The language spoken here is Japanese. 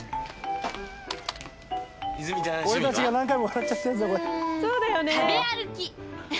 俺たちが何回も笑っちゃったやつだこれ。